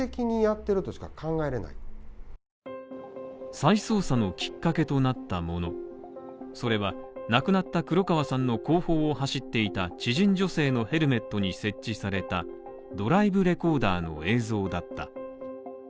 再捜査のきっかけとなったもの、それは亡くなった黒川さんの後方を走っていた知人女性のヘルメットに設置されたドライブレコーダーの映像だった。